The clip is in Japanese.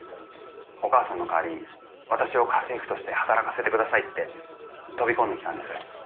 お母さんの代わりに私を家政婦として働かせて下さいって飛び込んできたんです。